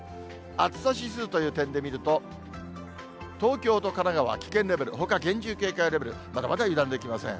暑さ指数という点で見ると、東京と神奈川、危険レベル、ほか厳重警戒レベル、まだまだ油断できません。